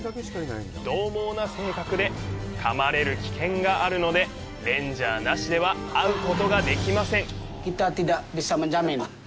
どう猛な性格で、かまれる危険があるので、レンジャーなしでは会うことができません。